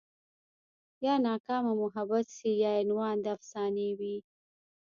يا ناکامه محبت شي بيا عنوان د افسانې وي